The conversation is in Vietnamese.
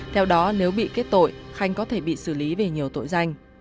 theo đó nếu bị kết tội khanh có thể bị xử lý về nhiều tội danh